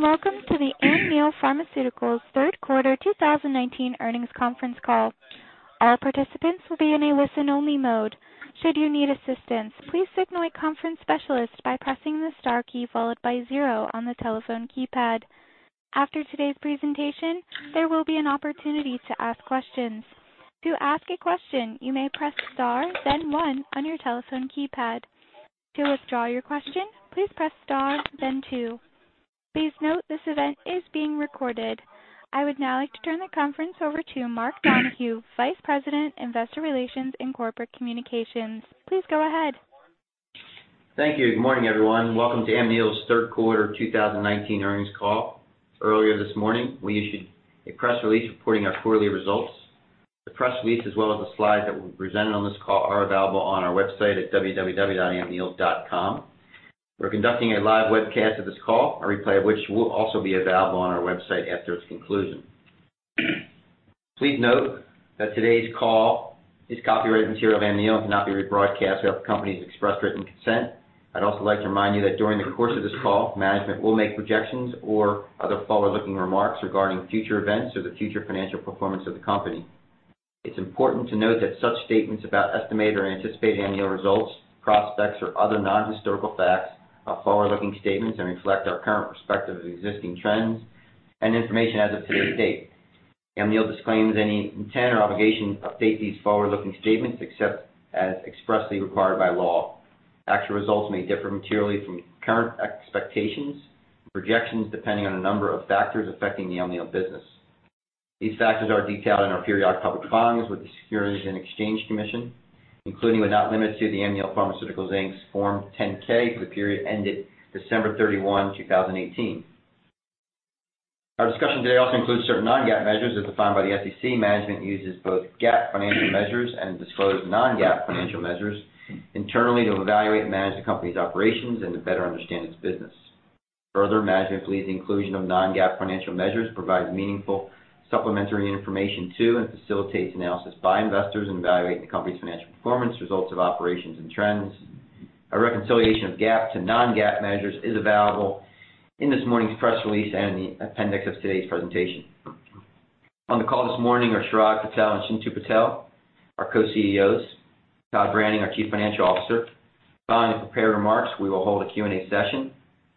Good day, and welcome to the Amneal Pharmaceuticals Third Quarter 2019 Earnings Conference Call. All participants will be in a listen-only mode. Should you need assistance, please signal a conference specialist by pressing the star key followed by zero on the telephone keypad. After today's presentation, there will be an opportunity to ask questions. To ask a question, you may press star, then one on your telephone keypad. To withdraw your question, please press star, then two. Please note this event is being recorded. I would now like to turn the conference over to Mark Donohue, Vice President, Investor Relations and Corporate Communications. Please go ahead. Thank you. Good morning, everyone. Welcome to Amneal's Third Quarter 2019 Earnings Call. Earlier this morning, we issued a press release reporting our quarterly results. The press release, as well as the slides that we've presented on this call, are available on our website at www.amneal.com. We're conducting a live webcast of this call, a replay of which will also be available on our website after its conclusion. Please note that today's call is copyrighted material of Amneal and cannot be rebroadcast without the company's express written consent. I'd also like to remind you that during the course of this call, management will make projections or other forward-looking remarks regarding future events or the future financial performance of the company. It's important to note that such statements about estimated or anticipated Amneal results, prospects, or other non-historical facts are forward-looking statements and reflect our current perspective of existing trends and information as of today's date. Amneal disclaims any intent or obligation to update these forward-looking statements except as expressly required by law. Actual results may differ materially from current expectations and projections depending on a number of factors affecting the Amneal business. These factors are detailed in our periodic public filings with the Securities and Exchange Commission, including without limit to the Amneal Pharmaceuticals, Inc.'s Form 10-K for the period ended December 31, 2018. Our discussion today also includes certain non-GAAP measures as defined by the SEC. Management uses both GAAP financial measures and disclosed non-GAAP financial measures internally to evaluate and manage the company's operations and to better understand its business. Further, management believes the inclusion of non-GAAP financial measures provides meaningful supplementary information to and facilitates analysis by investors in evaluating the company's financial performance, results of operations, and trends. A reconciliation of GAAP to non-GAAP measures is available in this morning's press release and in the appendix of today's presentation. On the call this morning are Chirag Patel and Chintu Patel, our Co-CEOs, Todd Branning, our Chief Financial Officer. Following the prepared remarks, we will hold a Q&A session.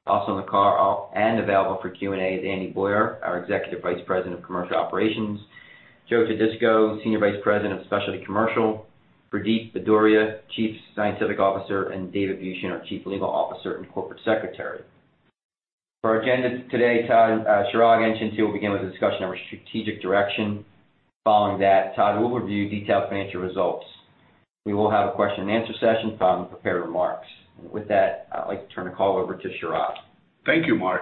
Also on the call and available for Q&A is Andy Boyer, our Executive Vice President of Commercial Operations, Joe Todisco, Senior Vice President of Specialty Commercial, Pradeep Bhadauria, Chief Scientific Officer, and David Buchen, our Chief Legal Officer and Corporate Secretary. For our agenda today, Todd, Chirag and Chintu will begin with a discussion of our strategic direction. Following that, Todd will review detailed financial results. We will have a question-and-answer session following prepared remarks. With that, I'd like to turn the call over to Chirag. Thank you, Mark.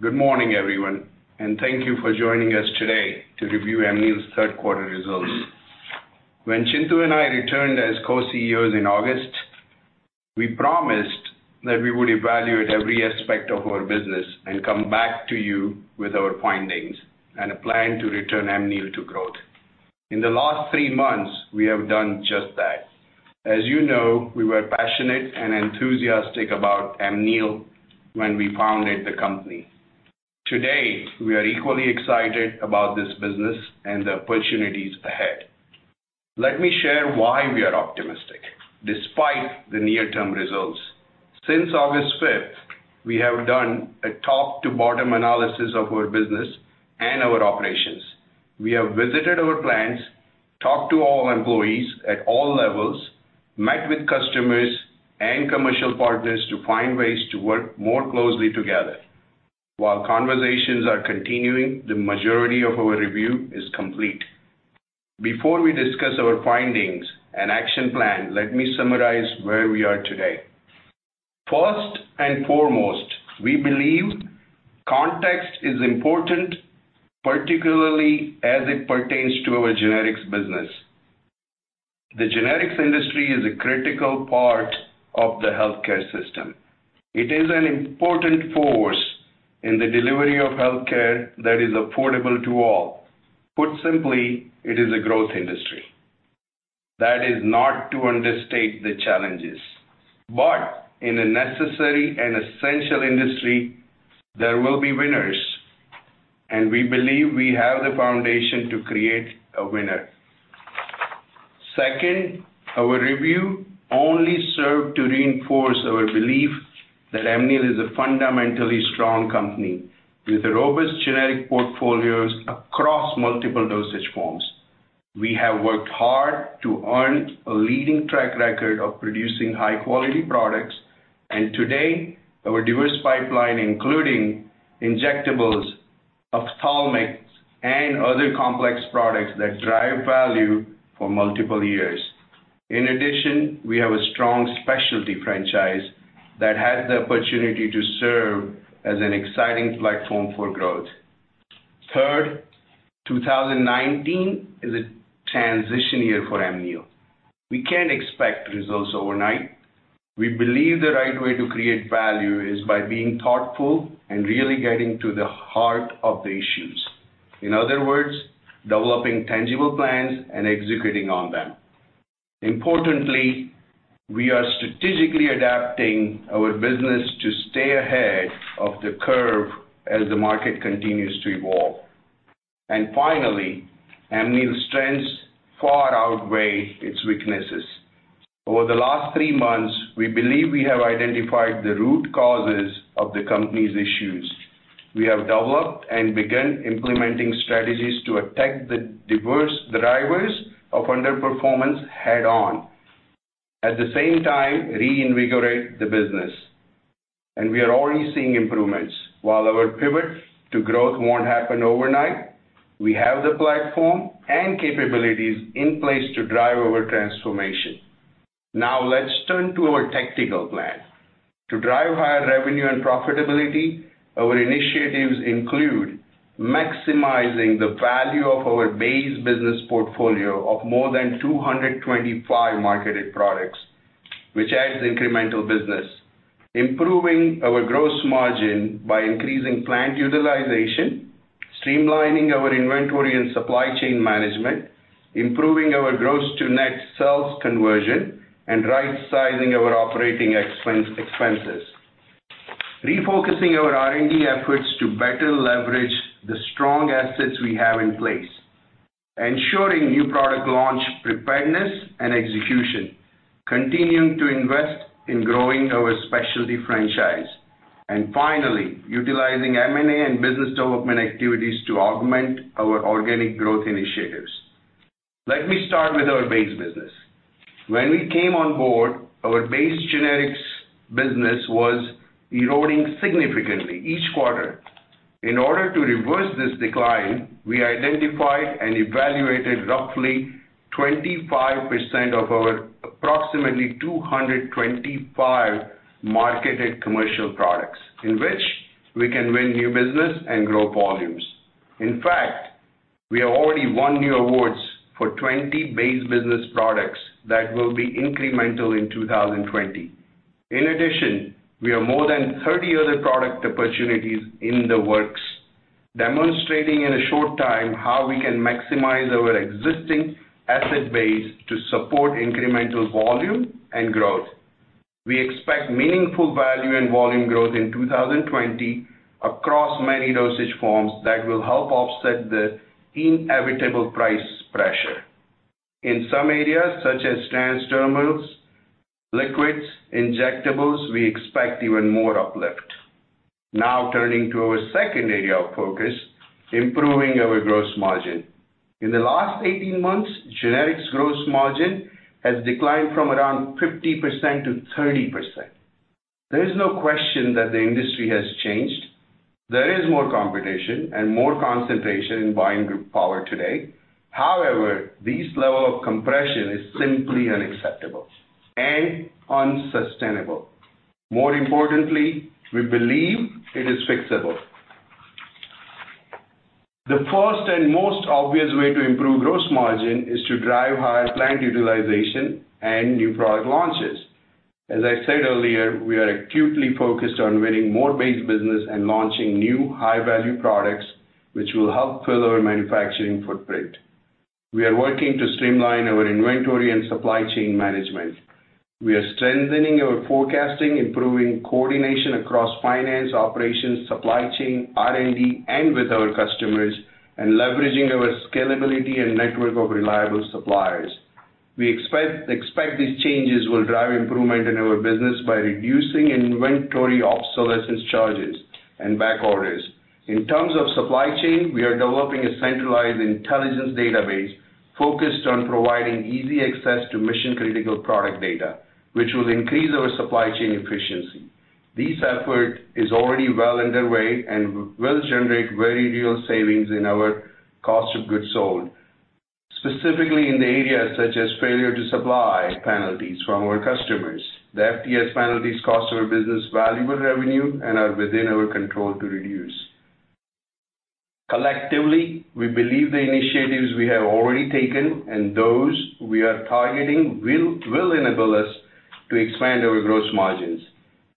Good morning, everyone, and thank you for joining us today to review Amneal's Third Quarter Results. When Chintu and I returned as Co-CEOs in August, we promised that we would evaluate every aspect of our business and come back to you with our findings and a plan to return Amneal to growth. In the last three months, we have done just that. As you know, we were passionate and enthusiastic about Amneal when we founded the company. Today, we are equally excited about this business and the opportunities ahead. Let me share why we are optimistic despite the near-term results. Since August fifth, we have done a top-to-bottom analysis of our business and our operations. We have visited our plants, talked to all employees at all levels, met with customers and commercial partners to find ways to work more closely together. While conversations are continuing, the majority of our review is complete. Before we discuss our findings and action plan, let me summarize where we are today. First and foremost, we believe context is important, particularly as it pertains to our generics business. The generics industry is a critical part of the healthcare system. It is an important force in the delivery of healthcare that is affordable to all. Put simply, it is a growth industry. That is not to understate the challenges. In a necessary and essential industry, there will be winners, and we believe we have the foundation to create a winner. Second, our review only served to reinforce our belief that Amneal is a fundamentally strong company with a robust generic portfolios across multiple dosage forms. We have worked hard to earn a leading track record of producing high-quality products. Today, our diverse pipeline, including injectables, ophthalmics, and other complex products that drive value for multiple years. In addition, we have a strong specialty franchise that has the opportunity to serve as an exciting platform for growth. Third, 2019 is a transition year for Amneal. We can't expect results overnight. We believe the right way to create value is by being thoughtful and really getting to the heart of the issues. In other words, developing tangible plans and executing on them. Importantly, we are strategically adapting our business to stay ahead of the curve as the market continues to evolve. Finally, Amneal's strengths far outweigh its weaknesses. Over the last three months, we believe we have identified the root causes of the company's issues. We have developed and begun implementing strategies to attack the diverse drivers of underperformance head on, at the same time reinvigorate the business. We are already seeing improvements. While our pivot to growth won't happen overnight, we have the platform and capabilities in place to drive our transformation. Let's turn to our tactical plan. To drive higher revenue and profitability, our initiatives include maximizing the value of our base business portfolio of more than 225 marketed products, which adds incremental business. Improving our gross margin by increasing plant utilization, streamlining our inventory and supply chain management, improving our gross-to-net sales conversion, and right-sizing our operating expenses. Refocusing our R&D efforts to better leverage the strong assets we have in place, ensuring new product launch preparedness and execution, continuing to invest in growing our specialty franchise, and finally, utilizing M&A and business development activities to augment our organic growth initiatives. Let me start with our base business. When we came on board, our base generics business was eroding significantly each quarter. In order to reverse this decline, we identified and evaluated roughly 25% of our approximately 225 marketed commercial products in which we can win new business and grow volumes. In fact, we have already won new awards for 20 base business products that will be incremental in 2020. We have more than 30 other product opportunities in the works, demonstrating in a short time how we can maximize our existing asset base to support incremental volume and growth. We expect meaningful value and volume growth in 2020 across many dosage forms that will help offset the inevitable price pressure. In some areas, such as transdermals, liquids, injectables, we expect even more uplift. Turning to our second area of focus, improving our gross margin. In the last 18 months, generics gross margin has declined from around 50% to 30%. There is no question that the industry has changed. There is more competition and more concentration in buying group power today. This level of compression is simply unacceptable and unsustainable. More importantly, we believe it is fixable. The first and most obvious way to improve gross margin is to drive higher plant utilization and new product launches. As I said earlier, we are acutely focused on winning more base business and launching new high-value products, which will help fill our manufacturing footprint. We are working to streamline our inventory and supply chain management. We are strengthening our forecasting, improving coordination across finance, operations, supply chain, R&D, and with our customers, and leveraging our scalability and network of reliable suppliers. We expect these changes will drive improvement in our business by reducing inventory obsolescence charges and back orders. In terms of supply chain, we are developing a centralized intelligence database focused on providing easy access to mission-critical product data, which will increase our supply chain efficiency. This effort is already well underway and will generate very real savings in our cost of goods sold, specifically in the areas such as failure to supply penalties from our customers. The FTS penalties cost our business valuable revenue and are within our control to reduce. Collectively, we believe the initiatives we have already taken and those we are targeting will enable us to expand our gross margins.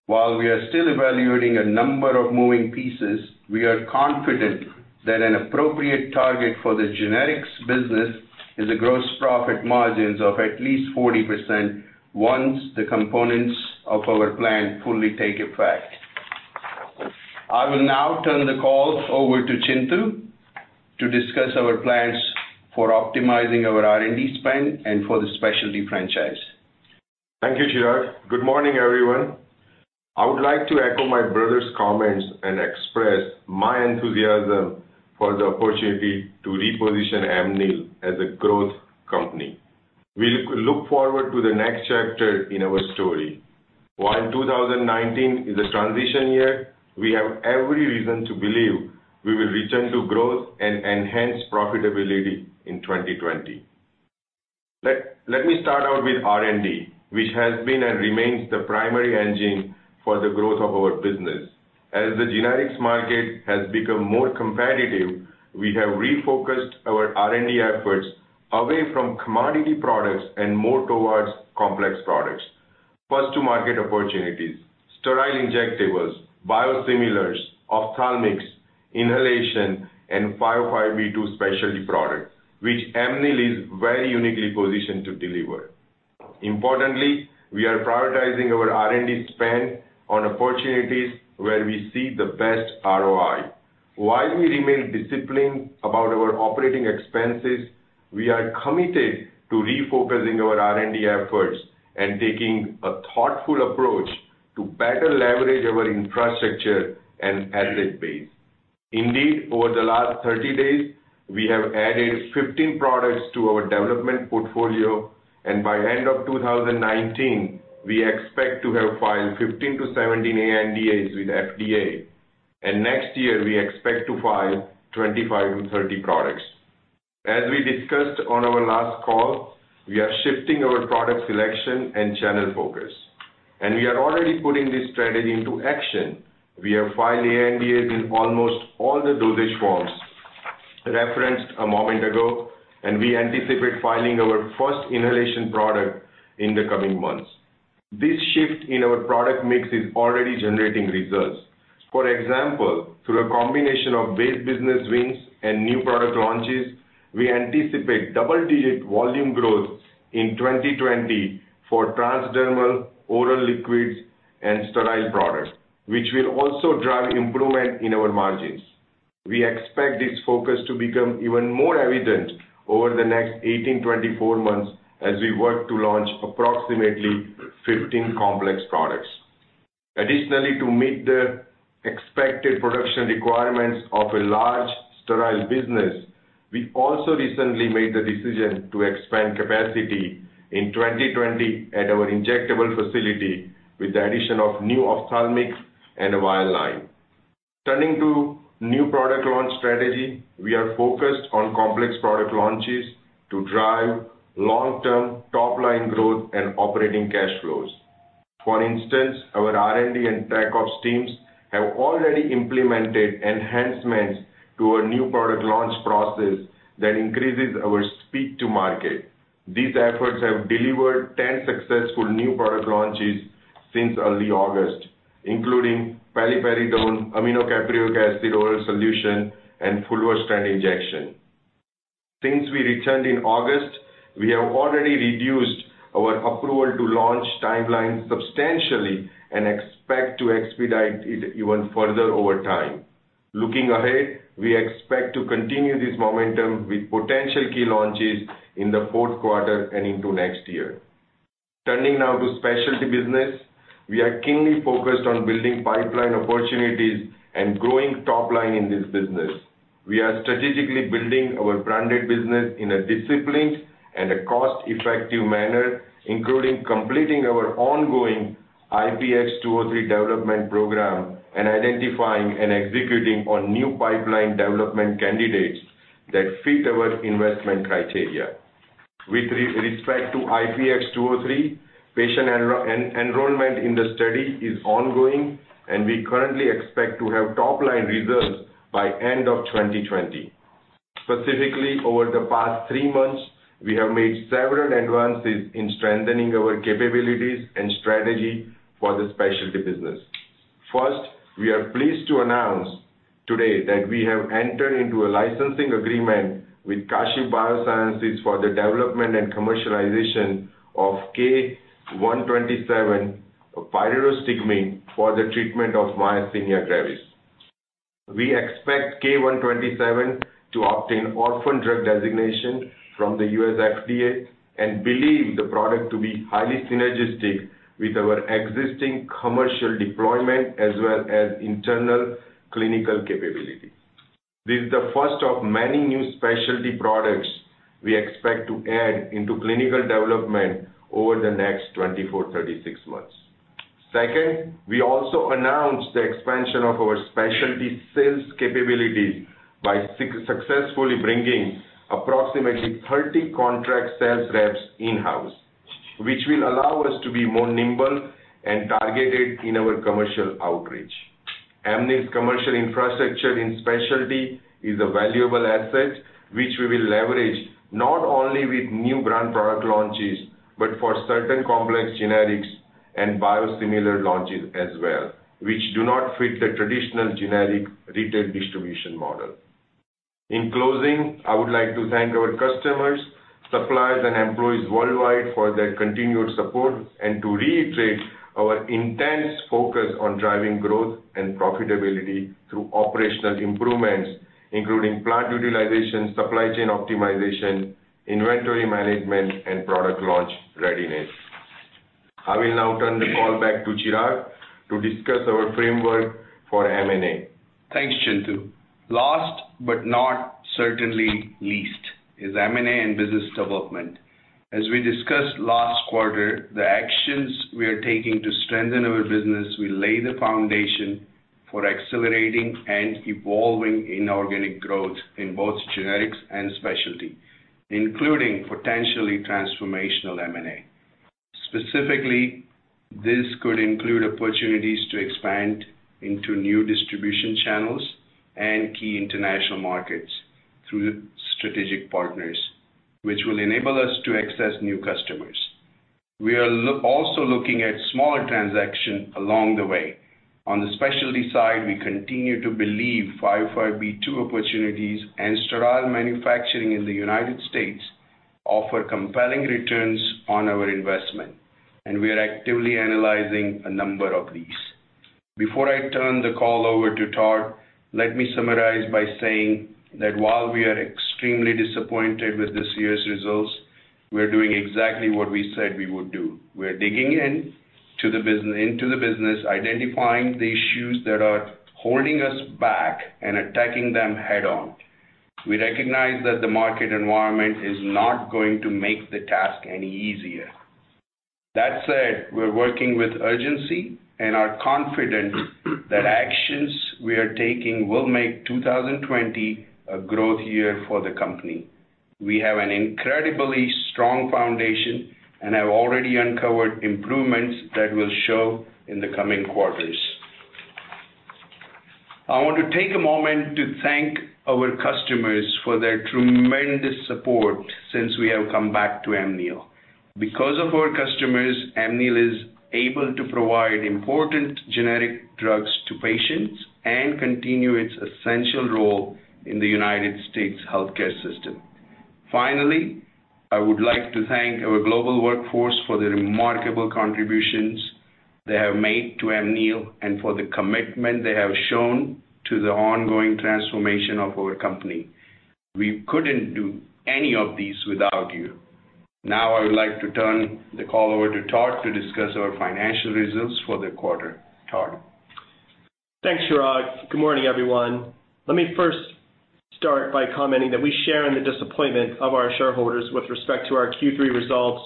While we are still evaluating a number of moving pieces, we are confident that an appropriate target for the generics business is a gross profit margins of at least 40% once the components of our plan fully take effect. I will now turn the call over to Chintu to discuss our plans for optimizing our R&D spend and for the specialty franchise. Thank you, Chirag. Good morning, everyone. I would like to echo my brother's comments and express my enthusiasm for the opportunity to reposition Amneal as a growth company. We look forward to the next chapter in our story. While 2019 is a transition year, we have every reason to believe we will return to growth and enhance profitability in 2020. Let me start out with R&D, which has been and remains the primary engine for the growth of our business. As the generics market has become more competitive, we have refocused our R&D efforts away from commodity products and more towards complex products. First to market opportunities, sterile injectables, biosimilars, ophthalmics, inhalation, and 505(b)(2) specialty products, which Amneal is very uniquely positioned to deliver. Importantly, we are prioritizing our R&D spend on opportunities where we see the best ROI. While we remain disciplined about our operating expenses, we are committed to refocusing our R&D efforts and taking a thoughtful approach to better leverage our infrastructure and asset base. Indeed, over the last 30 days, we have added 15 products to our development portfolio, and by end of 2019, we expect to have filed 15-17 ANDAs with FDA. Next year, we expect to file 25-30 products. As we discussed on our last call, we are shifting our product selection and channel focus, and we are already putting this strategy into action. We have filed ANDAs in almost all the dosage forms referenced a moment ago, and we anticipate filing our first inhalation product in the coming months. This shift in our product mix is already generating results. For example, through a combination of base business wins and new product launches, we anticipate double-digit volume growth in 2020 for transdermal, oral liquids, and sterile products, which will also drive improvement in our margins. We expect this focus to become even more evident over the next 18-24 months as we work to launch approximately 15 complex products. Additionally, to meet the expected production requirements of a large sterile business, we also recently made the decision to expand capacity in 2020 at our injectable facility with the addition of new ophthalmics and a vial line. Turning to new product launch strategy, we are focused on complex product launches to drive long-term top-line growth and operating cash flows. For instance, our R&D and Tech Ops teams have already implemented enhancements to our new product launch process that increases our speed to market. These efforts have delivered 10 successful new product launches since early August, including paliperidone, aminocaproic acid oral solution, and fulvestrant injection. Since we returned in August, we have already reduced our approval to launch timelines substantially and expect to expedite it even further over time. Looking ahead, we expect to continue this momentum with potential key launches in the fourth quarter and into next year. Turning now to specialty business. We are keenly focused on building pipeline opportunities and growing top line in this business. We are strategically building our branded business in a disciplined and a cost-effective manner, including completing our ongoing IPX203 development program and identifying and executing on new pipeline development candidates that fit our investment criteria. With respect to IPX203, patient enrollment in the study is ongoing, and we currently expect to have top-line results by end of 2020. Specifically, over the past three months, we have made several advances in strengthening our capabilities and strategy for the specialty business. First, we are pleased to announce today that we have entered into a licensing agreement with Kashiv BioSciences for the development and commercialization of K-127, pyridostigmine, for the treatment of myasthenia gravis. We expect K-127 to obtain orphan drug designation from the U.S. FDA and believe the product to be highly synergistic with our existing commercial deployment as well as internal clinical capability. This is the first of many new specialty products we expect to add into clinical development over the next 24, 36 months. Second, we also announced the expansion of our specialty sales capabilities by successfully bringing approximately 30 contract sales reps in-house, which will allow us to be more nimble and targeted in our commercial outreach. Amneal's commercial infrastructure in specialty is a valuable asset, which we will leverage not only with new brand product launches, but for certain complex generics and biosimilar launches as well, which do not fit the traditional generic retail distribution model. In closing, I would like to thank our customers, suppliers, and employees worldwide for their continued support and to reiterate our intense focus on driving growth and profitability through operational improvements, including plant utilization, supply chain optimization, inventory management, and product launch readiness. I will now turn the call back to Chirag to discuss our framework for M&A. Thanks, Chintu. Last, but not certainly least, is M&A and business development. As we discussed last quarter, the actions we are taking to strengthen our business will lay the foundation for accelerating and evolving inorganic growth in both generics and specialty, including potentially transformational M&A. Specifically, this could include opportunities to expand into new distribution channels and key international markets through strategic partners, which will enable us to access new customers. We are also looking at smaller transaction along the way. On the specialty side, we continue to believe 505(b)(2) opportunities and sterile manufacturing in the United States offer compelling returns on our investment, and we are actively analyzing a number of these. Before I turn the call over to Todd, let me summarize by saying that while we are extremely disappointed with this year's results, we're doing exactly what we said we would do. We're digging into the business, identifying the issues that are holding us back, and attacking them head-on. We recognize that the market environment is not going to make the task any easier. That said, we're working with urgency and are confident that actions we are taking will make 2020 a growth year for the company. We have an incredibly strong foundation and have already uncovered improvements that will show in the coming quarters. I want to take a moment to thank our customers for their tremendous support since we have come back to Amneal. Because of our customers, Amneal is able to provide important generic drugs to patients and continue its essential role in the United States' healthcare system. Finally, I would like to thank our global workforce for the remarkable contributions they have made to Amneal and for the commitment they have shown to the ongoing transformation of our company. We couldn't do any of these without you. Now I would like to turn the call over to Todd to discuss our financial results for the quarter. Todd? Thanks, Chirag. Good morning, everyone. Let me first start by commenting that we share in the disappointment of our shareholders with respect to our Q3 results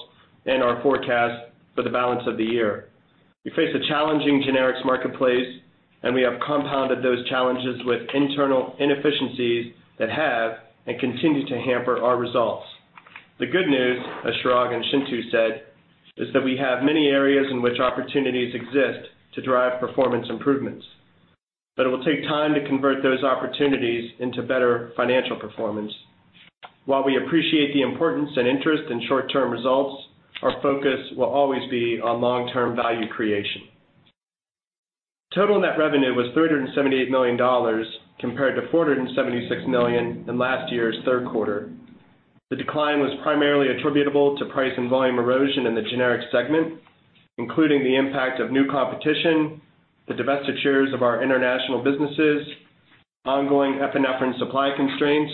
and our forecast for the balance of the year. We face a challenging generics marketplace, and we have compounded those challenges with internal inefficiencies that have and continue to hamper our results. The good news, as Chirag and Chintu said, is that we have many areas in which opportunities exist to drive performance improvements, but it will take time to convert those opportunities into better financial performance. While we appreciate the importance and interest in short-term results, our focus will always be on long-term value creation. Total net revenue was $378 million compared to $476 million in last year's third quarter. The decline was primarily attributable to price and volume erosion in the generic segment, including the impact of new competition, the divestitures of our international businesses, ongoing epinephrine supply constraints,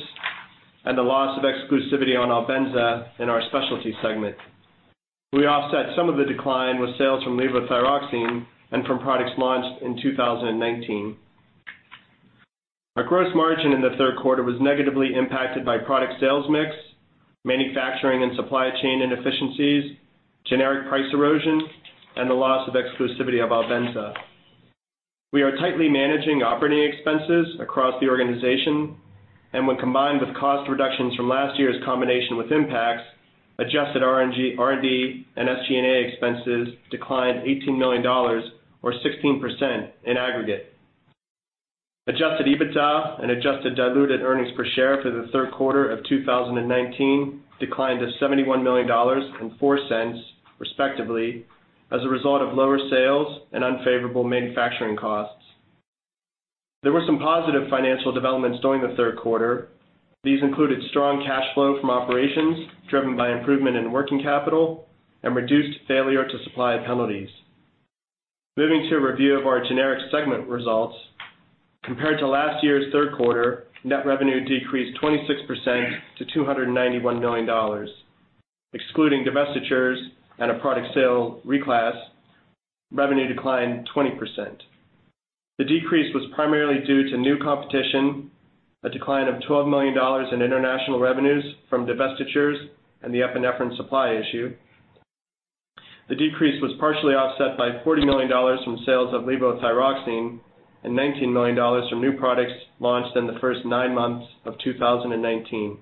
and the loss of exclusivity on ALBENZA in our specialty segment. We offset some of the decline with sales from levothyroxine and from products launched in 2019. Our gross margin in the third quarter was negatively impacted by product sales mix, manufacturing and supply chain inefficiencies, generic price erosion, and the loss of exclusivity of ALBENZA. We are tightly managing operating expenses across the organization and when combined with cost reductions from last year's combination with Impax, adjusted R&D and SG&A expenses declined $18 million or 16% in aggregate. Adjusted EBITDA and adjusted diluted earnings per share for the third quarter of 2019 declined to $71 million and $0.04, respectively, as a result of lower sales and unfavorable manufacturing costs. There were some positive financial developments during the third quarter. These included strong cash flow from operations driven by improvement in working capital and reduced failure to supply penalties. Moving to a review of our generic segment results. Compared to last year's third quarter, net revenue decreased 26% to $291 million. Excluding divestitures and a product sale reclass, revenue declined 20%. The decrease was primarily due to new competition, a decline of $12 million in international revenues from divestitures, and the epinephrine supply issue. The decrease was partially offset by $40 million from sales of levothyroxine and $19 million from new products launched in the first nine months of 2019.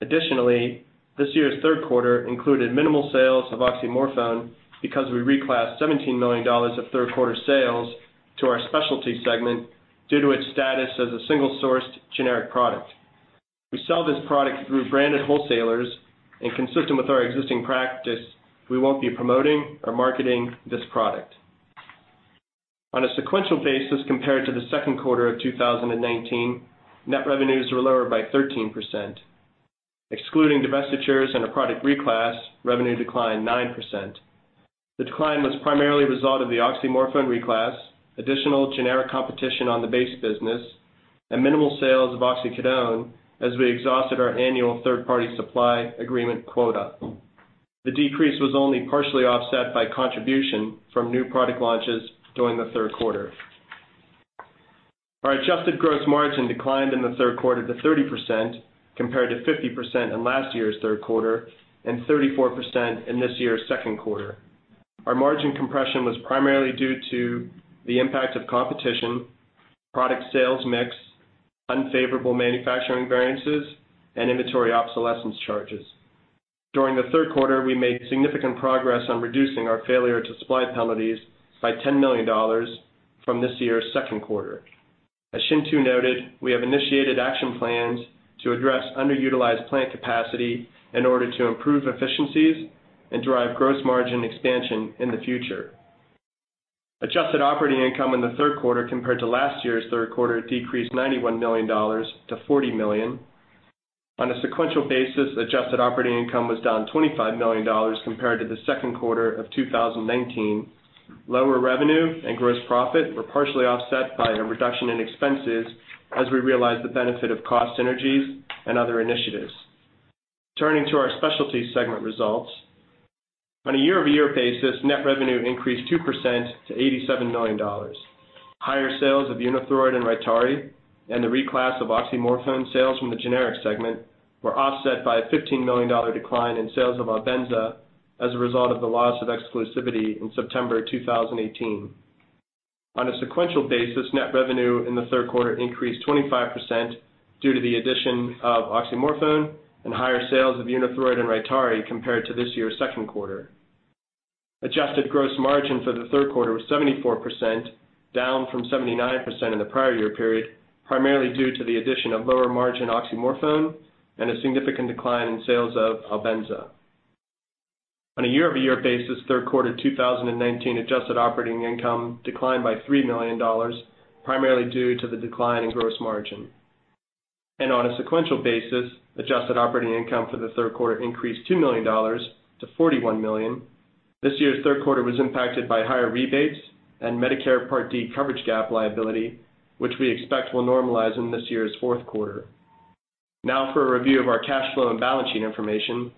Additionally, this year's third quarter included minimal sales of oxymorphone because we reclassed $17 million of third quarter sales to our specialty segment due to its status as a single-sourced generic product. We sell this product through branded wholesalers, and consistent with our existing practice, we won't be promoting or marketing this product. On a sequential basis, compared to the second quarter of 2019, net revenues were lower by 13%. Excluding divestitures and a product reclass, revenue declined 9%. The decline was primarily a result of the oxymorphone reclass, additional generic competition on the base business, and minimal sales of oxycodone as we exhausted our annual third-party supply agreement quota. The decrease was only partially offset by contribution from new product launches during the third quarter. Our adjusted gross margin declined in the third quarter to 30%, compared to 50% in last year's third quarter and 34% in this year's second quarter. Our margin compression was primarily due to the impact of competition, product sales mix, unfavorable manufacturing variances, and inventory obsolescence charges. During the third quarter, we made significant progress on reducing our failure to supply penalties by $10 million from this year's second quarter. As Chintu noted, we have initiated action plans to address underutilized plant capacity in order to improve efficiencies and drive gross margin expansion in the future. Adjusted operating income in the third quarter compared to last year's third quarter decreased $91 million-$40 million. On a sequential basis, adjusted operating income was down $25 million compared to the second quarter of 2019. Lower revenue and gross profit were partially offset by a reduction in expenses as we realized the benefit of cost synergies and other initiatives. Turning to our specialty segment results. On a year-over-year basis, net revenue increased 2% to $87 million. Higher sales of UNITHROID and RYTARY and the reclass of oxymorphone sales from the generic segment were offset by a $15 million decline in sales of ALBENZA as a result of the loss of exclusivity in September 2018. On a sequential basis, net revenue in the third quarter increased 25% due to the addition of oxymorphone and higher sales of UNITHROID and RYTARY compared to this year's second quarter. Adjusted gross margin for the third quarter was 74%, down from 79% in the prior year period, primarily due to the addition of lower margin oxymorphone and a significant decline in sales of ALBENZA. On a year-over-year basis, third quarter 2019 adjusted operating income declined by $3 million, primarily due to the decline in gross margin. On a sequential basis, adjusted operating income for the third quarter increased $2 million-$41 million. This year's third quarter was impacted by higher rebates and Medicare Part D coverage gap liability, which we expect will normalize in this year's fourth quarter. For a review of our cash flow and balance sheet information.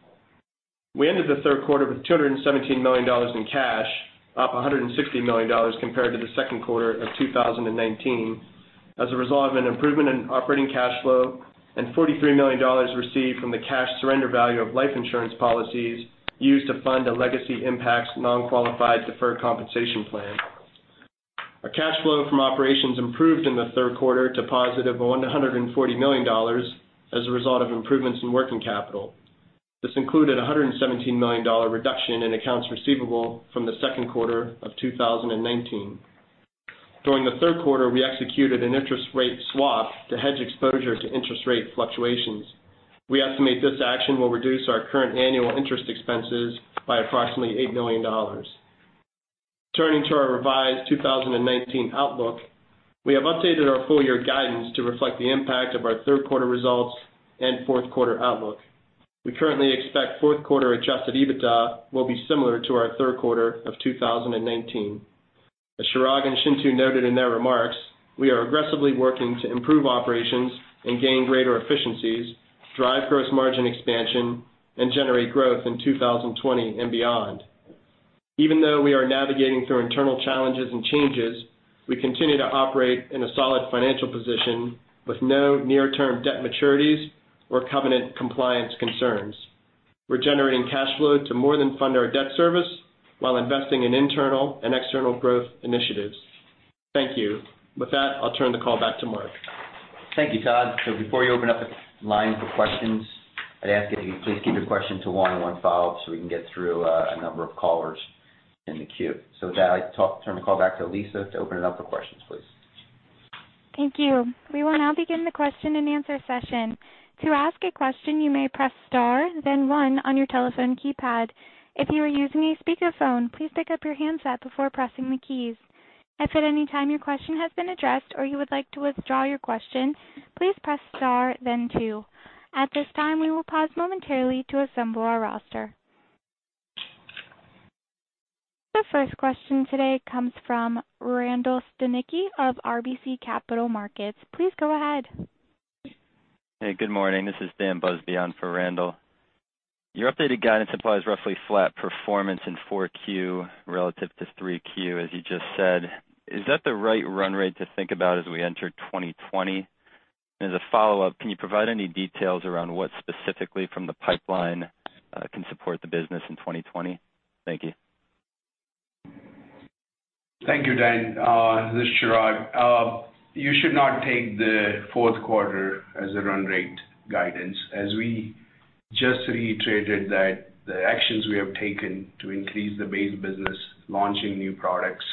We ended the third quarter with $217 million in cash, up $160 million compared to the second quarter of 2019 as a result of an improvement in operating cash flow and $43 million received from the cash surrender value of life insurance policies used to fund a Legacy Impax Non-Qualified Deferred Compensation Plan. Our cash flow from operations improved in the third quarter to +$140 million as a result of improvements in working capital. This included a $117 million reduction in accounts receivable from the second quarter of 2019. During the third quarter, we executed an interest rate swap to hedge exposure to interest rate fluctuations. We estimate this action will reduce our current annual interest expenses by approximately $8 million. Turning to our revised 2019 outlook, we have updated our full year guidance to reflect the impact of our third quarter results and fourth quarter outlook. We currently expect fourth quarter adjusted EBITDA will be similar to our third quarter of 2019. As Chirag and Chintu noted in their remarks, we are aggressively working to improve operations and gain greater efficiencies, drive gross margin expansion, and generate growth in 2020 and beyond. Even though we are navigating through internal challenges and changes, we continue to operate in a solid financial position with no near-term debt maturities or covenant compliance concerns. We're generating cash flow to more than fund our debt service while investing in internal and external growth initiatives. Thank you. With that, I'll turn the call back to Mark. Thank you, Todd. Before you open up the line for questions, I'd ask that you please keep your question to one and one follow-up so we can get through a number of callers in the queue. With that, I turn the call back to Lisa to open it up for questions, please. Thank you. We will now begin the question and answer session. To ask a question, you may press star then one on your telephone keypad. If you are using a speakerphone, please pick up your handset before pressing the keys. If at any time your question has been addressed or you would like to withdraw your question, please press star then two. At this time, we will pause momentarily to assemble our roster. The first question today comes from Randall Stanicky of RBC Capital Markets. Please go ahead. Hey, good morning. This is Dan Busby on for Randall. Your updated guidance implies roughly flat performance in 4Q relative to 3Q, as you just said. Is that the right run rate to think about as we enter 2020? As a follow-up, can you provide any details around what specifically from the pipeline can support the business in 2020? Thank you. Thank you, Dan. This is Chirag. You should not take the fourth quarter as a run rate guidance, as we just reiterated that the actions we have taken to increase the base business, launching new products,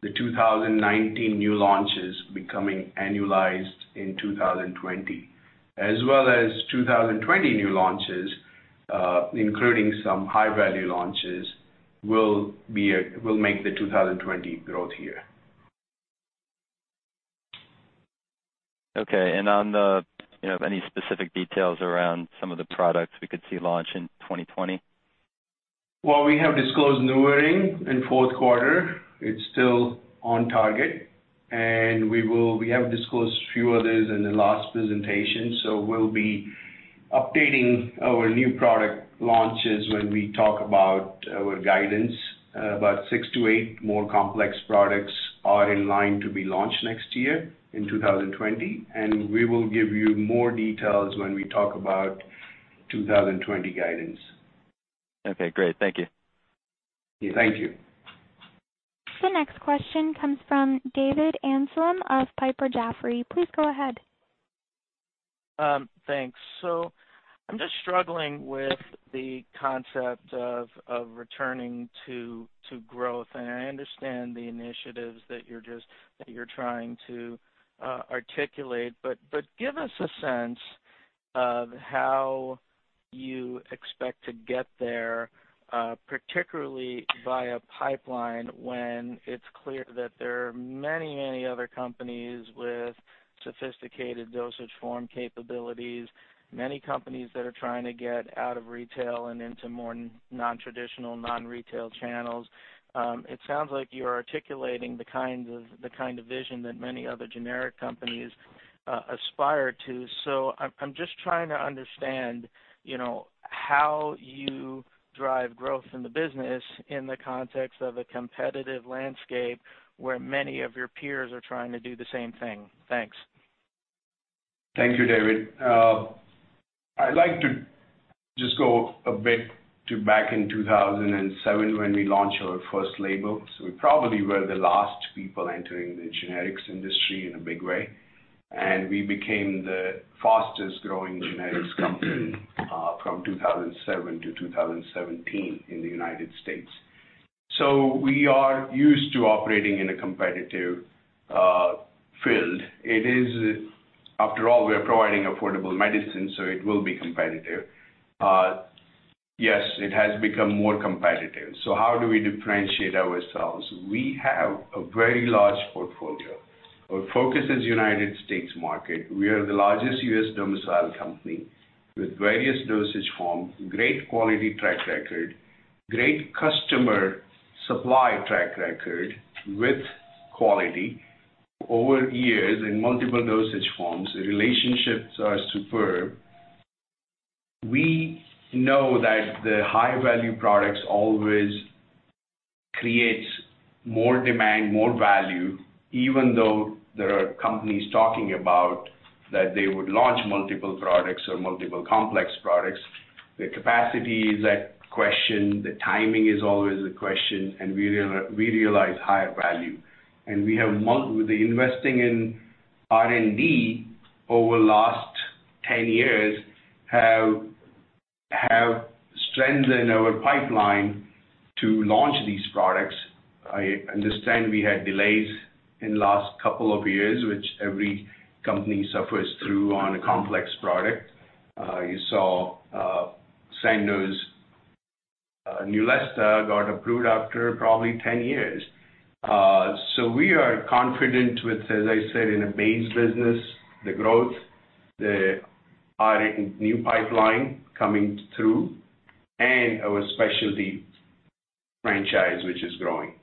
the 2019 new launches becoming annualized in 2020, as well as 2020 new launches, including some high-value launches, will make the 2020 growth year. Okay, on the any specific details around some of the products we could see launch in 2020? Well, we have disclosed NuvaRing in fourth quarter. It's still on target. We have disclosed a few others in the last presentation. We'll be updating our new product launches when we talk about our guidance. About six to eight more complex products are in line to be launched next year in 2020. We will give you more details when we talk about 2020 guidance. Okay, great. Thank you. Thank you. The next question comes from David Amsellem of Piper Jaffray. Please go ahead. Thanks. I'm just struggling with the concept of returning to growth. I understand the initiatives that you're trying to articulate, but give us a sense of how you expect to get there, particularly via pipeline, when it's clear that there are many other companies with sophisticated dosage form capabilities, many companies that are trying to get out of retail and into more non-traditional, non-retail channels. It sounds like you're articulating the kind of vision that many other generic companies aspire to. I'm just trying to understand how you drive growth in the business in the context of a competitive landscape where many of your peers are trying to do the same thing. Thanks. Thank you, David. I'd like to just go a bit to back in 2007 when we launched our first label. We probably were the last people entering the generics industry in a big way, and we became the fastest growing generics company from 2007 to 2017 in the United States. We are used to operating in a competitive field. After all, we are providing affordable medicine, so it will be competitive. Yes, it has become more competitive. How do we differentiate ourselves? We have a very large portfolio. Our focus is United States market. We are the largest U.S. domiciled company with various dosage forms, great quality track record, great customer supply track record with quality over years in multiple dosage forms. The relationships are superb. We know that the high-value products always create more demand, more value, even though there are companies talking about that they would launch multiple products or multiple complex products. The capacity is at question. The timing is always a question. We realize higher value. With the investing in R&D over last 10 years have strengthened our pipeline to launch these products. I understand we had delays in last couple of years, which every company suffers through on a complex product. You saw, Sandoz, Neulasta got approved after probably 10 years. We are confident with, as I said, in a base business, the growth, the new pipeline coming through, and our specialty franchise, which is growing.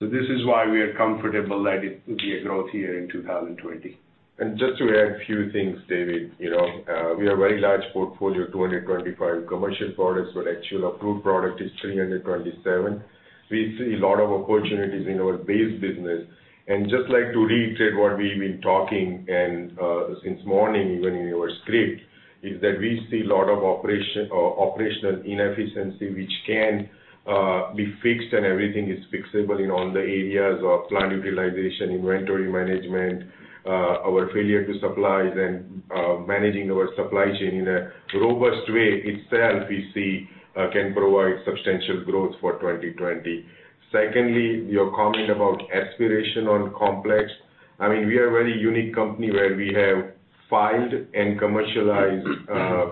This is why we are comfortable that it will be a growth year in 2020. Just to add a few things, David, we have very large portfolio, 225 commercial products, but actual approved product is 327. We see lot of opportunities in our base business. Just like to reiterate what we've been talking and, since morning, even in your script, is that we see lot of operational inefficiency, which can be fixed, and everything is fixable in all the areas of plant utilization, inventory management, our failure to supply then, managing our supply chain in a robust way itself we see can provide substantial growth for 2020. Secondly, your comment about aspiration on complex. We are very unique company where we have filed and commercialized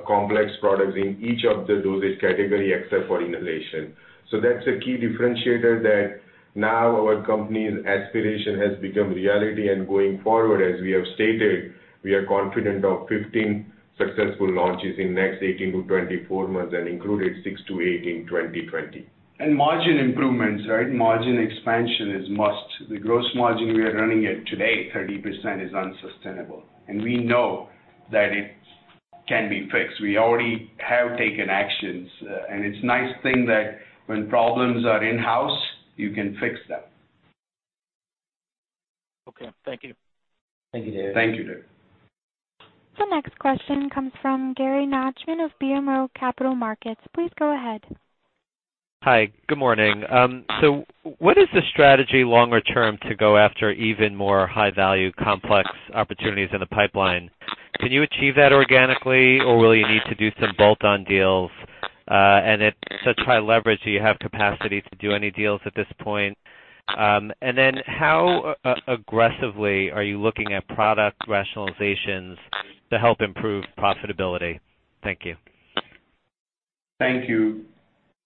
complex products in each of the dosage category except for inhalation. That's a key differentiator that now our company's aspiration has become reality. Going forward, as we have stated, we are confident of 15 successful launches in next 18-24 months and included six to eight in 2020. Margin improvements, right? Margin expansion is must. The gross margin we are running at today, 30%, is unsustainable, and we know that it can be fixed. We already have taken actions. It's nice thing that when problems are in-house, you can fix them. Okay. Thank you. Thank you, David. Thank you, David. The next question comes from Gary Nachman of BMO Capital Markets. Please go ahead. Hi. Good morning. What is the strategy longer term to go after even more high-value complex opportunities in the pipeline? Can you achieve that organically or will you need to do some bolt-on deals? At such high leverage, do you have capacity to do any deals at this point? How aggressively are you looking at product rationalizations to help improve profitability? Thank you. Thank you,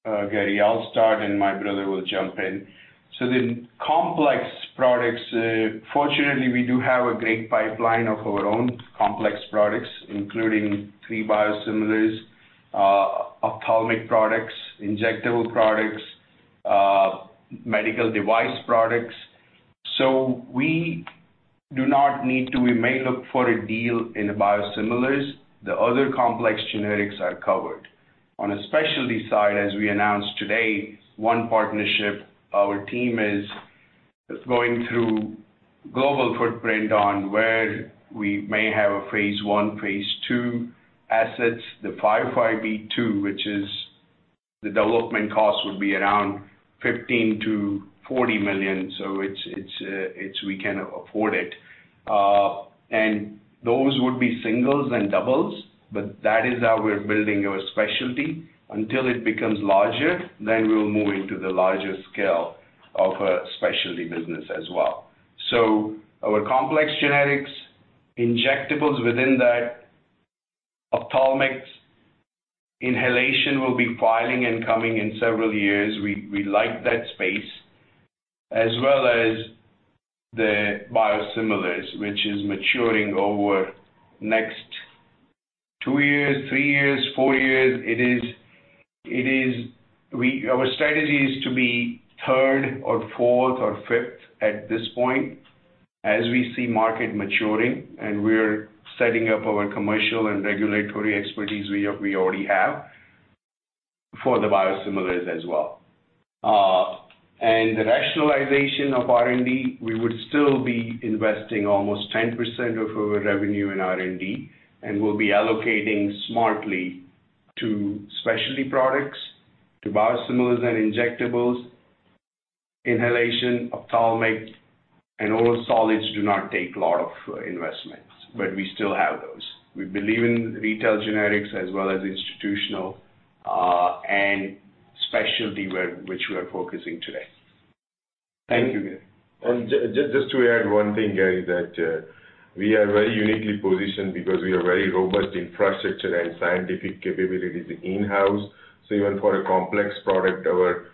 Gary. I'll start and my brother will jump in. The complex products, fortunately, we do have a great pipeline of our own complex products, including three biosimilars, ophthalmic products, injectable products, medical device products. We do not need to. We may look for a deal in the biosimilars. The other complex generics are covered. On a specialty side, as we announced today, one partnership, our team is just going through global footprint on where we may have a phase I, phase II assets. The 505(b)(2), which is the development cost, would be around $15 million-$40 million, we can afford it. Those would be singles and doubles, that is how we're building our specialty until it becomes larger, we'll move into the larger scale of a specialty business as well. Our complex genetics, injectables within that, ophthalmics, inhalation will be filing and coming in several years, we like that space, as well as the biosimilars, which is maturing over the next two years, three years, four years. Our strategy is to be third or fourth or fifth at this point as we see market maturing, and we're setting up our commercial and regulatory expertise we already have for the biosimilars as well. The rationalization of R&D, we would still be investing almost 10% of our revenue in R&D, and we'll be allocating smartly to specialty products, to biosimilars and injectables, inhalation, ophthalmic, and oral solids do not take a lot of investments, but we still have those. We believe in retail generics as well as institutional, and specialty, which we are focusing today. Thank you, Gary. Just to add one thing, Gary, that we are very uniquely positioned because we have very robust infrastructure and scientific capabilities in-house. Even for a complex product, our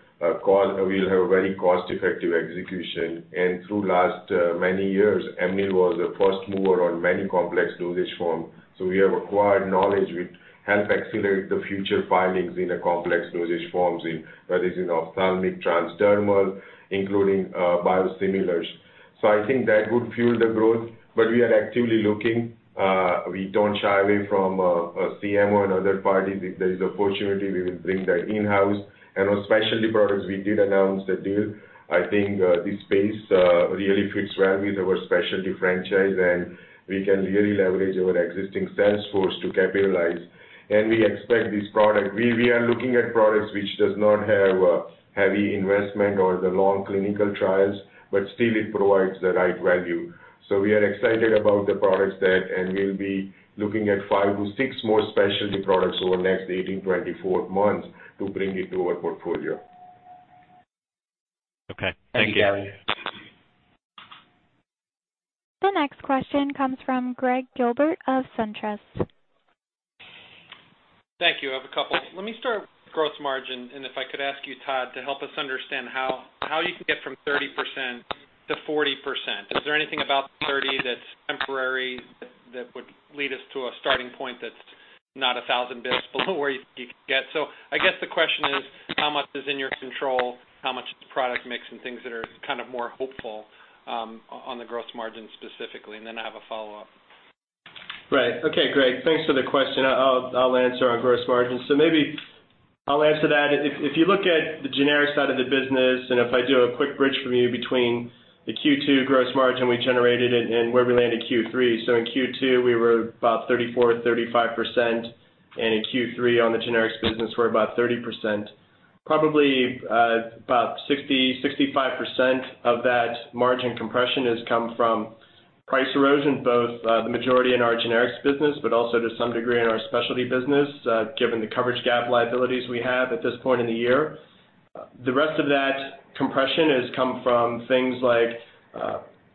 call, we'll have very cost-effective execution. Through the last many years, Amneal was the first mover on many complex dosage forms. We have acquired knowledge which helps accelerate the future filings in complex dosage forms, that is in ophthalmic, transdermal, including biosimilars. I think that would fuel the growth. We are actively looking. We don't shy away from a CMO and other parties. If there is an opportunity, we will bring that in-house. On specialty products, we did announce the deal. I think, this space really fits well with our specialty franchise, and we can really leverage our existing sales force to capitalize. We expect this product. We are looking at products which do not have heavy investment or long clinical trials, but still it provides the right value. We are excited about the products, and we'll be looking at five to six more specialty products over the next 18-24 months to bring into our portfolio. Okay. Thank you. Thank you, Gary. The next question comes from Gregg Gilbert of SunTrust. Thank you. I have a couple. If I could ask you, Todd, to help us understand how you can get from 30% to 40%. Is there anything about the 30% that's temporary that would lead us to a starting point that's not 1,000 basis points below where you think you could get? I guess the question is, how much is in your control? How much is the product mix and things that are more hopeful on the gross margin specifically? Then I have a follow-up. Right. Okay, Gregg, thanks for the question. I'll answer on gross margin. Maybe I'll answer that. If you look at the generic side of the business, and if I do a quick bridge for you between the Q2 gross margin we generated and where we land in Q3. In Q2, we were about 34%-35%, and in Q3 on the generics business, we're about 30%. Probably about 60%-65% of that margin compression has come from price erosion, both the majority in our generics business, but also to some degree in our specialty business, given the coverage gap liabilities we have at this point in the year. The rest of that compression has come from things like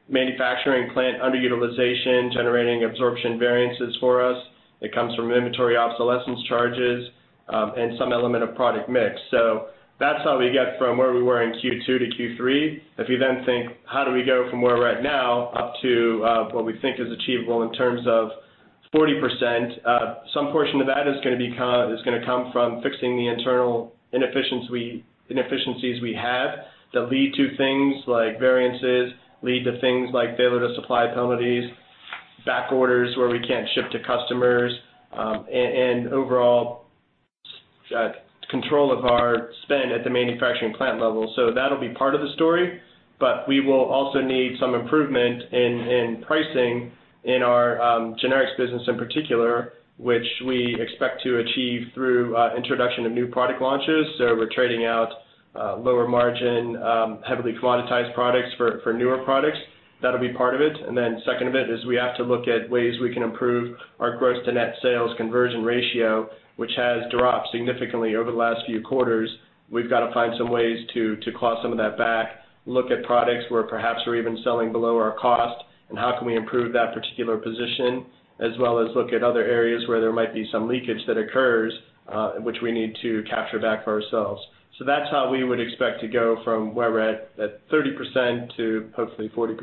manufacturing plant underutilization, generating absorption variances for us. It comes from inventory obsolescence charges, and some element of product mix. That's how we get from where we were in Q2-Q3. How do we go from where we are right now up to what we think is achievable in terms of 40%, some portion of that is going to come from fixing the internal inefficiencies we have that lead to things like variances, lead to things like failure to supply penalties, back orders where we can't ship to customers, and overall control of our spend at the manufacturing plant level. That'll be part of the story, but we will also need some improvement in pricing in our generics business in particular, which we expect to achieve through introduction of new product launches. We're trading out lower margin, heavily commoditized products for newer products. That'll be part of it. Second event is we have to look at ways we can improve our gross-to-net sales conversion ratio, which has dropped significantly over the last few quarters. We've got to find some ways to claw some of that back, look at products where perhaps we're even selling below our cost, and how can we improve that particular position, as well as look at other areas where there might be some leakage that occurs, which we need to capture back for ourselves. That's how we would expect to go from where we're at 30% to hopefully 40%.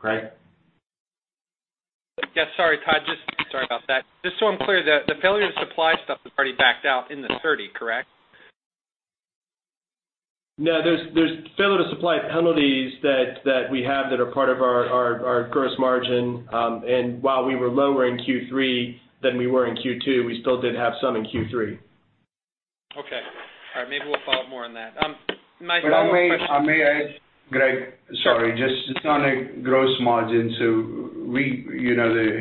Gregg? Yes. Sorry, Todd. Sorry about that. Just so I'm clear, the failure to supply stuff is already backed out in the 30%, correct? There's failure to supply penalties that we have that are part of our gross margin. While we were lower in Q3 than we were in Q2, we still did have some in Q3. Okay. All right. Maybe we'll follow up more on that. My follow-up question- May I, Gregg? Sorry, just on a gross margin.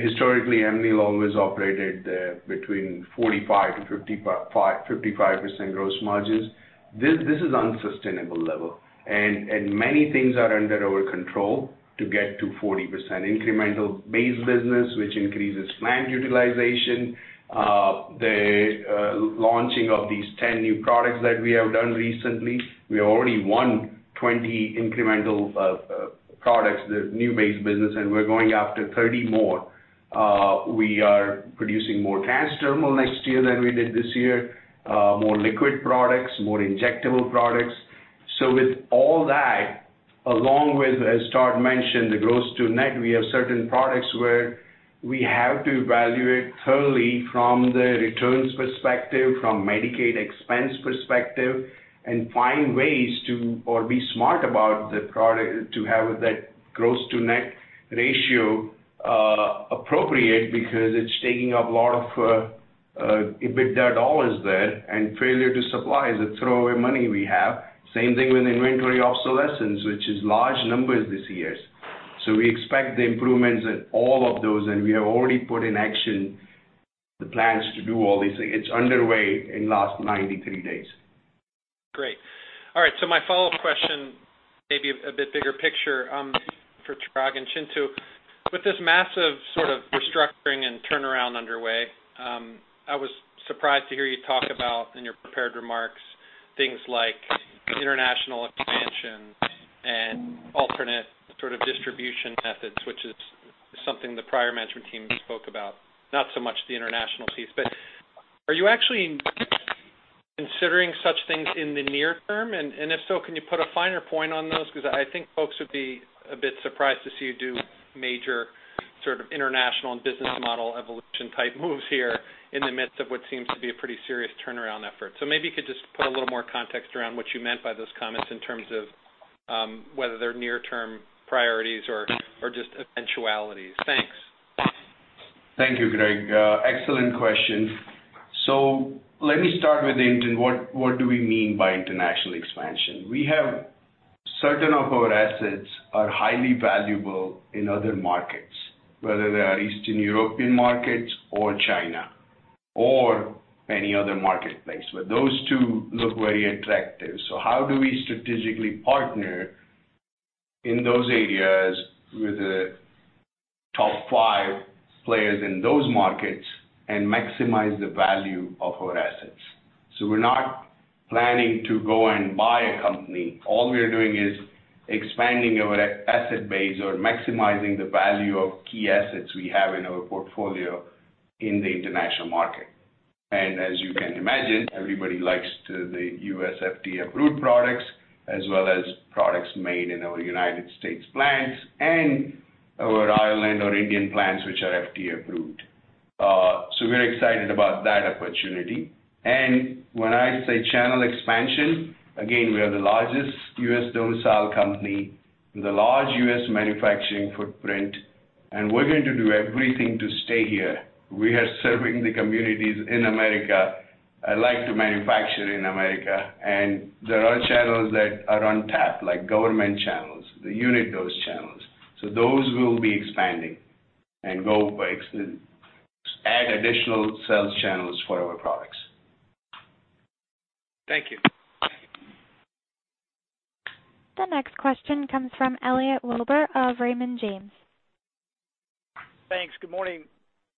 Historically, Amneal always operated between 45%-55% gross margins. This is unsustainable level, and many things are under our control to get to 40% incremental base business, which increases plant utilization. The launching of these 10 new products that we have done recently, we already won 20 incremental products, the new base business, and we're going after 30 more. We are producing more transdermal next year than we did this year, more liquid products, more injectable products. With all that, along with, as Todd mentioned, the gross-to-net, we have certain products where we have to evaluate thoroughly from the returns perspective, from Medicaid expense perspective, and find ways or be smart about the product to have that gross-to-net ratio appropriate because it's taking up a lot of EBITDA dollars there. Failure to supply is a throwaway money we have. Same thing with inventory obsolescence, which is large numbers this year. We expect the improvements in all of those. We have already put in action the plans to do all these things. It's underway in last 93 days. Great. All right. My follow-up question, maybe a bit bigger picture, for Chirag and Chintu. With this massive sort of restructuring and turnaround underway, I was surprised to hear you talk about, in your prepared remarks, things like international expansion and alternate sort of distribution methods, which is something the prior management team spoke about. Not so much the international piece. Are you actually considering such things in the near term? If so, can you put a finer point on those? I think folks would be a bit surprised to see you do major sort of international and business model evolution type moves here in the midst of what seems to be a pretty serious turnaround effort. Maybe you could just put a little more context around what you meant by those comments in terms of whether they're near-term priorities or just eventualities. Thanks. Thank you, Gregg. Excellent question. Let me start with what do we mean by international expansion. We have certain of our assets are highly valuable in other markets, whether they are Eastern European markets or China or any other marketplace, those two look very attractive. How do we strategically partner in those areas with the top five players in those markets and maximize the value of our assets? We're not planning to go and buy a company. All we are doing is expanding our asset base or maximizing the value of key assets we have in our portfolio in the international market. As you can imagine, everybody likes the U.S. FDA-approved products as well as products made in our United States plants and our Ireland or Indian plants, which are FDA approved. We're excited about that opportunity. When I say channel expansion, again, we are the largest U.S. domicile company with a large U.S. manufacturing footprint, and we're going to do everything to stay here. We are serving the communities in America. I like to manufacture in America. There are channels that are untapped, like government channels, the unit dose channels. Those will be expanding and add additional sales channels for our products. Thank you. The next question comes from Elliot Wilbur of Raymond James. Thanks. Good morning.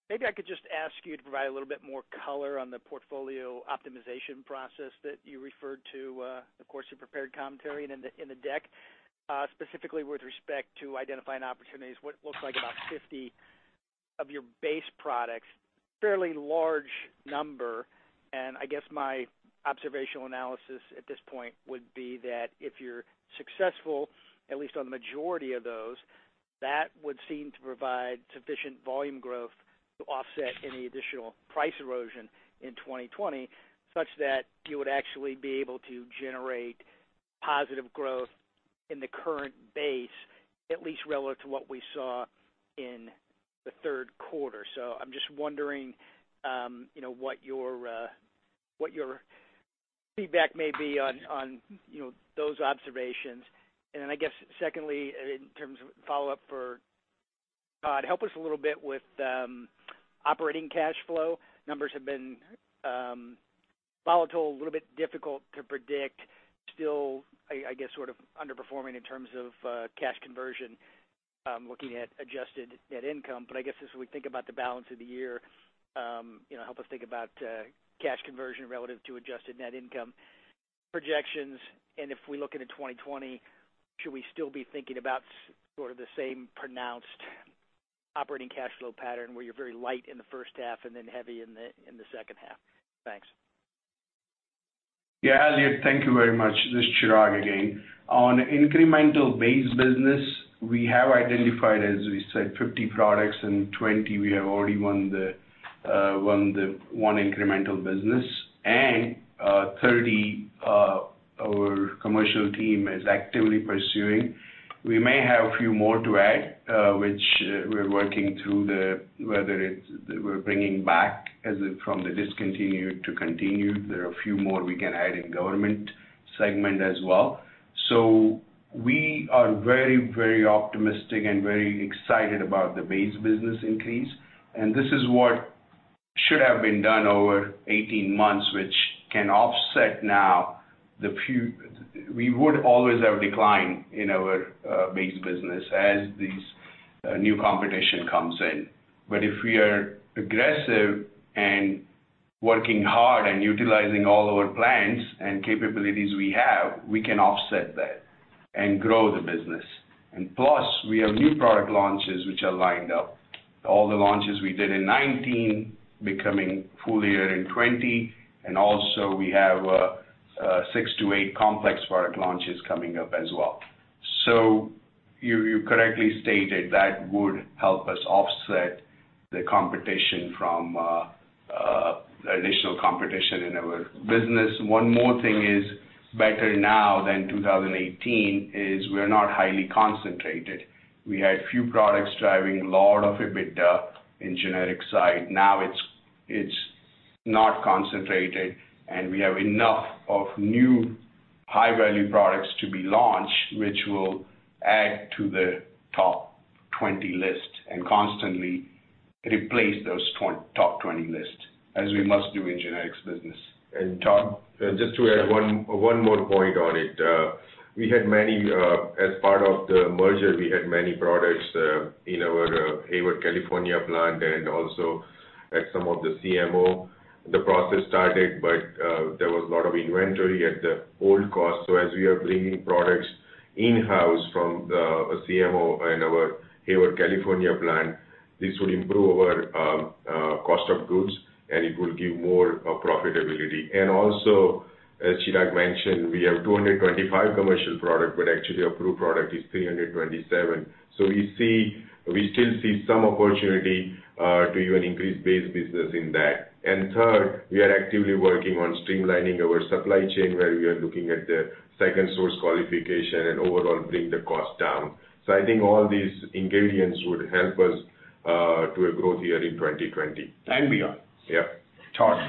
Maybe I could just ask you to provide a little bit more color on the portfolio optimization process that you referred to, of course, your prepared commentary and in the deck, specifically with respect to identifying opportunities. What looks like about 50 of your base products, fairly large number, I guess my observational analysis at this point would be that if you're successful, at least on the majority of those, that would seem to provide sufficient volume growth to offset any additional price erosion in 2020, such that you would actually be able to generate positive growth in the current base, at least relative to what we saw in the third quarter. I'm just wondering what your feedback may be on those observations. I guess secondly, in terms of follow-up for Todd, help us a little bit with operating cash flow. Numbers have been volatile, a little bit difficult to predict, still, I guess sort of underperforming in terms of cash conversion, looking at adjusted net income. I guess as we think about the balance of the year, help us think about cash conversion relative to adjusted net income projections. If we look into 2020, should we still be thinking about sort of the same pronounced operating cash flow pattern where you're very light in the first half and then heavy in the second half? Thanks. Yeah, Elliot, thank you very much. This is Chirag again. On incremental base business, we have identified, as we said, 50 products and 20 we have already won one incremental business and 30, our commercial team is actively pursuing. We may have a few more to add, which we're working through, whether it's we're bringing back from the discontinued to continued. There are a few more we can add in government segment as well. We are very optimistic and very excited about the base business increase, and this is what should have been done over 18 months, which can offset now. We would always have decline in our base business as these new competition comes in. If we are aggressive and working hard and utilizing all our plans and capabilities we have, we can offset that and grow the business. Plus, we have new product launches which are lined up. All the launches we did in 2019 becoming full year in 2020. Also, we have six to eight complex product launches coming up as well. You correctly stated that would help us offset the additional competition in our business. One more thing is better now than 2018, is we're not highly concentrated. We had few products driving a lot of EBITDA in generic side. Now it's not concentrated, and we have enough of new high-value products to be launched, which will add to the top 20 list and constantly replace those top 20 list, as we must do in generics business. Todd? Just to add one more point on it. As part of the merger, we had many products in our Hayward, California plant and also at some of the CMO. There was a lot of inventory at the old cost. As we are bringing products in-house from the CMO and our Hayward, California plant, this will improve our cost of goods and it will give more profitability. Also, as Chirag mentioned, we have 225 commercial product, but actually our approved product is 327. We still see some opportunity to even increase base business in that. Third, we are actively working on streamlining our supply chain, where we are looking at the second source qualification and overall bring the cost down. I think all these ingredients would help us to a growth year in 2020. And beyond. Yeah. Todd.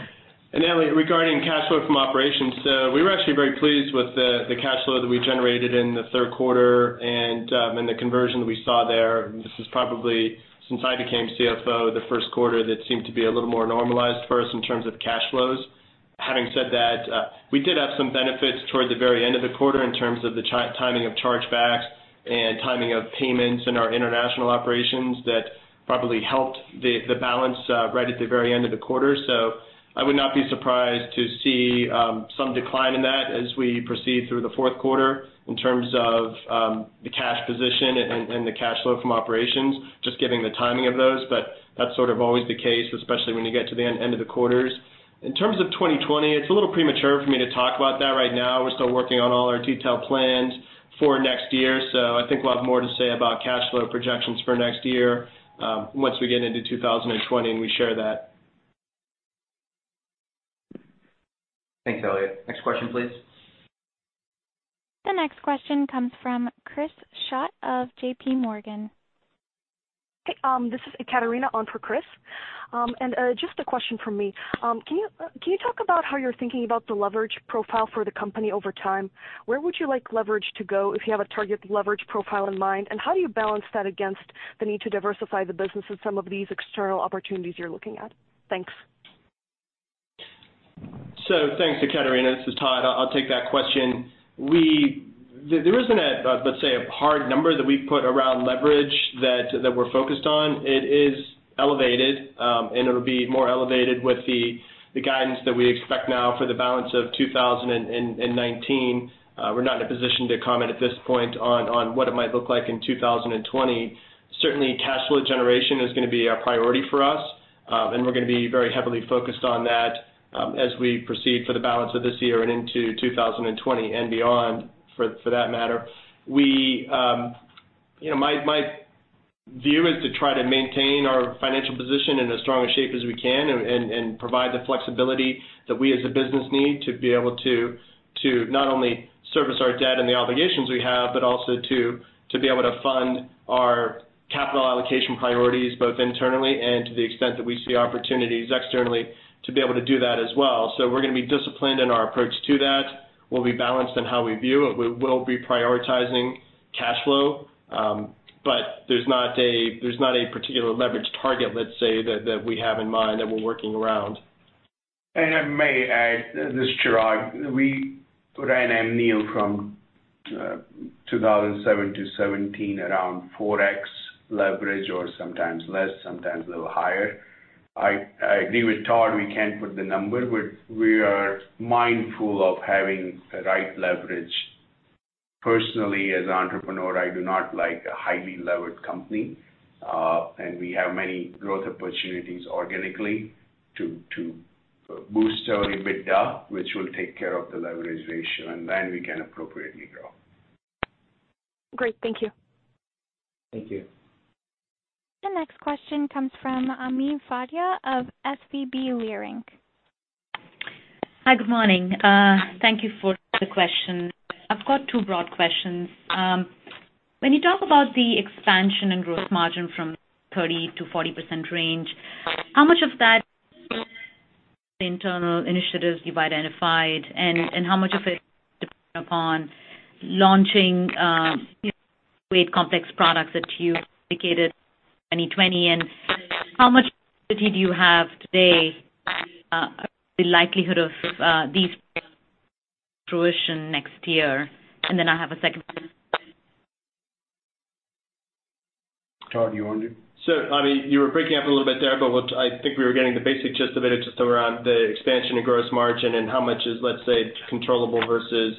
Elliot, regarding cash flow from operations, we were actually very pleased with the cash flow that we generated in the third quarter and the conversion we saw there. This is probably, since I became CFO, the first quarter that seemed to be a little more normalized for us in terms of cash flows. Having said that, we did have some benefits toward the very end of the quarter in terms of the timing of charge backs and timing of payments in our international operations that probably helped the balance right at the very end of the quarter. I would not be surprised to see some decline in that as we proceed through the fourth quarter in terms of the cash position and the cash flow from operations, just given the timing of those. That's sort of always the case, especially when you get to the end of the quarters. In terms of 2020, it's a little premature for me to talk about that right now. We're still working on all our detailed plans for next year, I think we'll have more to say about cash flow projections for next year once we get into 2020 and we share that. Thanks, Elliot. Next question, please. The next question comes from Chris Schott of JPMorgan. Hey, this is Ekaterina on for Chris. Just a question from me. Can you talk about how you're thinking about the leverage profile for the company over time? Where would you like leverage to go if you have a target leverage profile in mind, and how do you balance that against the need to diversify the business with some of these external opportunities you're looking at? Thanks. Thanks, Ekaterina. This is Todd. I'll take that question. There isn't, let's say, a hard number that we put around leverage that we're focused on. It is elevated, and it'll be more elevated with the guidance that we expect now for the balance of 2019. We're not in a position to comment at this point on what it might look like in 2020. Certainly, cash flow generation is going to be a priority for us, and we're going to be very heavily focused on that as we proceed for the balance of this year and into 2020 and beyond, for that matter. My view is to try to maintain our financial position in as strong a shape as we can and provide the flexibility that we as a business need to be able to not only service our debt and the obligations we have, but also to be able to fund our capital allocation priorities, both internally and to the extent that we see opportunities externally to be able to do that as well. We're going to be disciplined in our approach to that. We'll be balanced in how we view it. We will be prioritizing cash flow. There's not a particular leverage target, let's say, that we have in mind that we're working around. May I add, this is Chirag. We ran Amneal from 2007 to 2017 around 4x leverage, or sometimes less, sometimes a little higher. I agree with Todd, we can't put the number, but we are mindful of having the right leverage. Personally, as an entrepreneur, I do not like a highly levered company. We have many growth opportunities organically to boost our EBITDA, which will take care of the leverage ratio, and then we can appropriately grow. Great. Thank you. Thank you. The next question comes from Ami Fadia of SVB Leerink. Hi. Good morning. Thank you for the question. I've got two broad questions. When you talk about the expansion and gross margin from 30%-40% range, how much of that internal initiatives you've identified, and how much of it dependent upon launching great complex products that you've indicated 2020, and how much do you have today, the likelihood of these fruition next year? I have a second one. Todd, do you want to do it? Ami, you were breaking up a little bit there, but what I think we were getting the basic gist of it, just around the expansion of gross margin and how much is, let's say, controllable versus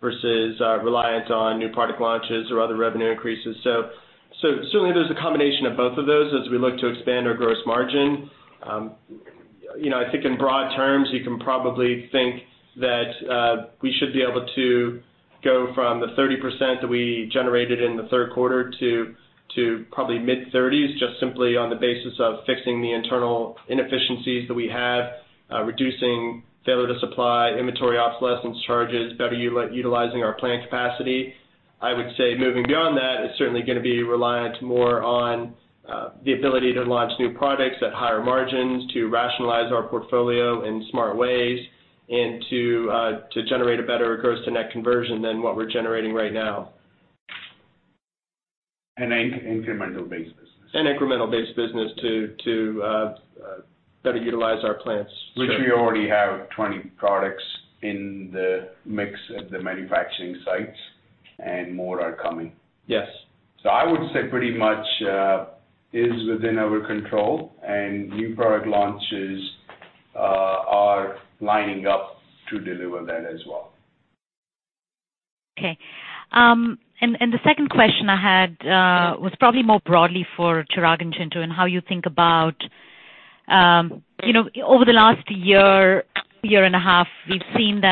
reliant on new product launches or other revenue increases. I think in broad terms, you can probably think that we should be able to go from the 30% that we generated in the third quarter to probably mid-30s, just simply on the basis of fixing the internal inefficiencies that we have, reducing failure to supply, inventory obsolescence charges, better utilizing our plant capacity. I would say moving beyond that is certainly going to be reliant more on the ability to launch new products at higher margins, to rationalize our portfolio in smart ways, and to generate a better gross-to-net conversion than what we're generating right now. An incremental-based business. An incremental-based business to better utilize our plants. Which we already have 20 products in the mix at the manufacturing sites, and more are coming. Yes. I would say pretty much is within our control, and new product launches are lining up to deliver that as well. Okay. The second question I had was probably more broadly for Chirag and Chintu and how you think about, over the last year, year and a half, we've seen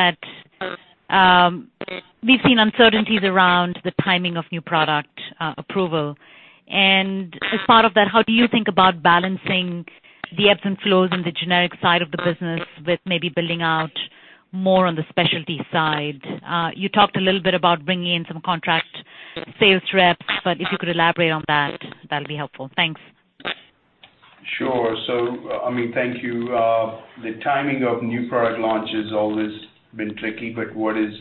uncertainties around the timing of new product approval. As part of that, how do you think about balancing the up and flows in the generic side of the business which may be building out more on the specialty side? You talked a little bit about bringing in some contract sales reps, but if you could elaborate on that'll be helpful. Thanks. Ami, thank you. The timing of new product launch has always been tricky, but what is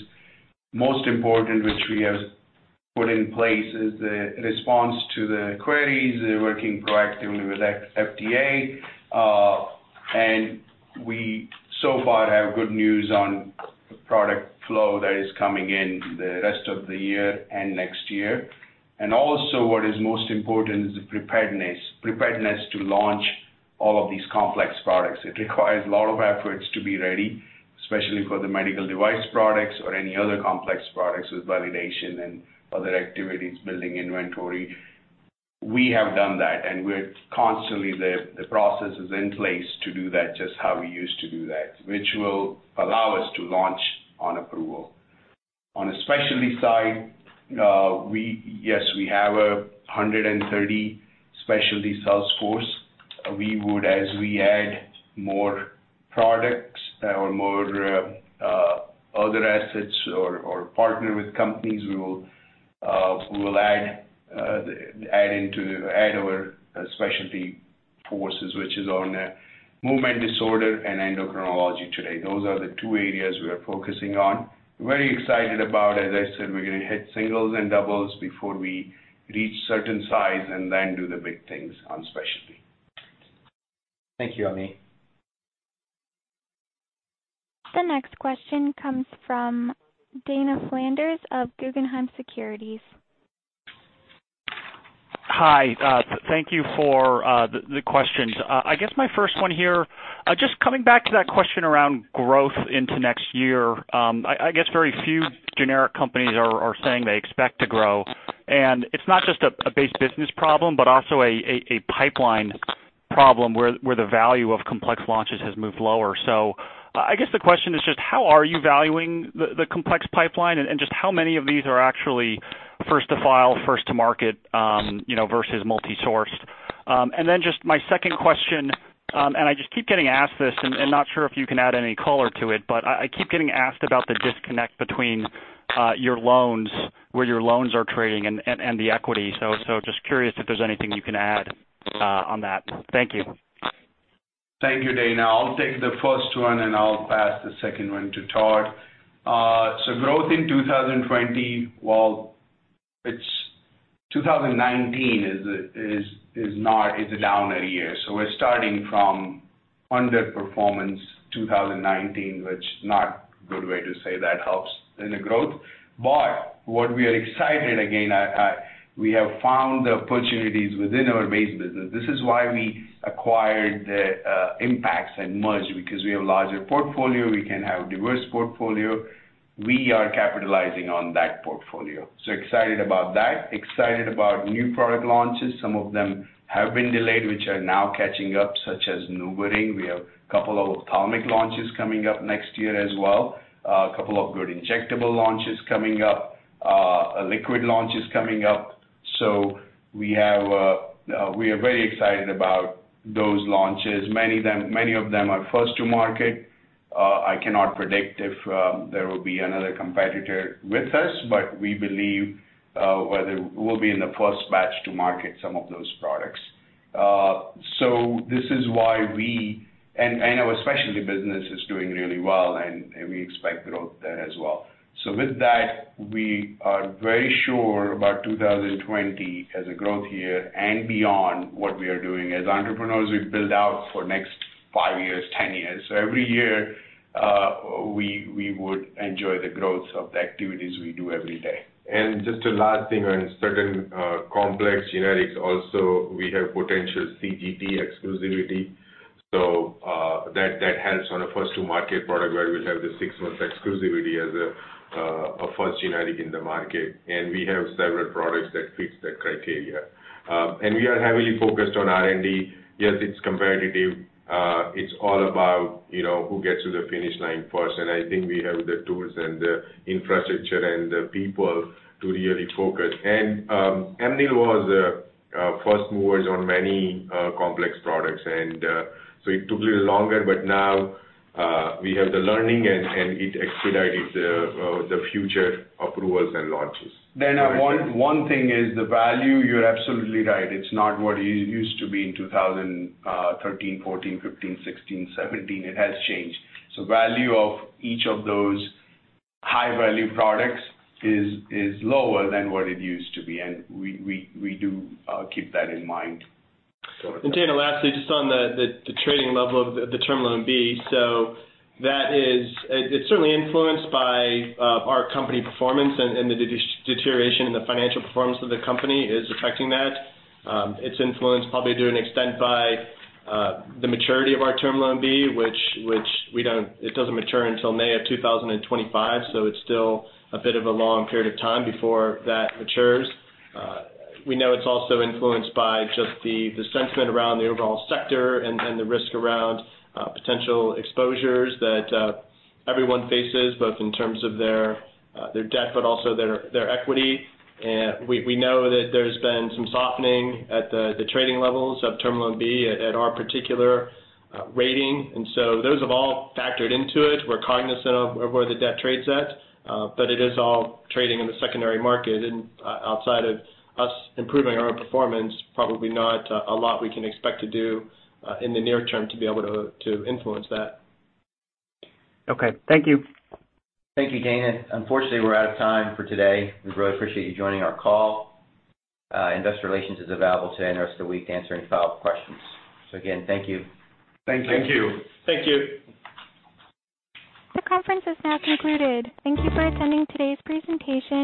most important, which we have put in place, is the response to the queries, working proactively with FDA. We so far have good news on product flow that is coming in the rest of the year and next year. Also, what is most important is the preparedness to launch all of these complex products. It requires a lot of efforts to be ready, especially for the medical device products or any other complex products with validation and other activities, building inventory. We have done that, and the process is in place to do that, just how we used to do that, which will allow us to launch on approval. On the specialty side, yes, we have 130 specialty sales force. As we add more products or more other assets or partner with companies, we will add our specialty forces, which is on movement disorder and endocrinology today. Those are the two areas we are focusing on. Very excited about, as I said, we're going to hit singles and doubles before we reach certain size and then do the big things on specialty. Thank you, Ami. The next question comes from Dana Flanders of Guggenheim Securities. Hi. Thank you for the questions. I guess my first one here, just coming back to that question around growth into next year. I guess very few generic companies are saying they expect to grow, it's not just a base business problem, but also a pipeline problem where the value of complex launches has moved lower. I guess the question is just how are you valuing the complex pipeline and just how many of these are actually first to file, first to market versus multi-sourced? Just my second question, I just keep getting asked this, not sure if you can add any color to it, I keep getting asked about the disconnect between where your loans are trading and the equity. Just curious if there's anything you can add on that. Thank you. Thank you, Dana. I'll take the first one. I'll pass the second one to Todd. Growth in 2020, well, 2019 is a down year. We're starting from under performance 2019, which not good way to say that helps in the growth. What we are excited again, we have found the opportunities within our base business. This is why we acquired the Impax and merged, because we have larger portfolio, we can have diverse portfolio. We are capitalizing on that portfolio. Excited about that. Excited about new product launches. Some of them have been delayed, which are now catching up, such as NuvaRing. We have couple of ophthalmic launches coming up next year as well. A couple of good injectable launches coming up. Liquid launches coming up. We are very excited about those launches. Many of them are first-to-market. I cannot predict if there will be another competitor with us, but we believe we'll be in the first batch to market some of those products. Our specialty business is doing really well, and we expect growth there as well. With that, we are very sure about 2020 as a growth year and beyond what we are doing. As entrepreneurs, we build out for next five years, 10 years. Every year, we would enjoy the growth of the activities we do every day. Just a last thing on certain complex generics also, we have potential CGT exclusivity. That helps on a first-to-market product where we have the six-month exclusivity as a first generic in the market. We have several products that fit that criteria. We are heavily focused on R&D. Yes, it's competitive. It's all about who gets to the finish line first. I think we have the tools and the infrastructure and the people to really focus. Amneal was first movers on many complex products, and so it took little longer, but now we have the learning and it expedited the future approvals and launches. Dana, one thing is the value, you're absolutely right. It's not what it used to be in 2013, 2014, 2015, 2016, 2017. It has changed. Value of each of those high-value products is lower than what it used to be, and we do keep that in mind. Dana, lastly, just on the trading level of the Term Loan B. It's certainly influenced by our company performance and the deterioration in the financial performance of the company is affecting that. It's influenced probably to an extent by the maturity of our Term Loan B, which it doesn't mature until May of 2025, it's still a bit of a long period of time before that matures. We know it's also influenced by just the sentiment around the overall sector and the risk around potential exposures that everyone faces, both in terms of their debt, but also their equity. We know that there's been some softening at the trading levels of Term Loan B at our particular rating. Those have all factored into it. We're cognizant of where the debt trades at, it is all trading in the secondary market. Outside of us improving our performance, probably not a lot we can expect to do in the near term to be able to influence that. Okay. Thank you. Thank you, Dana. Unfortunately, we're out of time for today. We really appreciate you joining our call. Investor Relations is available today and the rest of the week to answer any follow-up questions. Again, thank you. Thank you. Thank you. Thank you. This conference has now concluded. Thank you for attending today's presentation.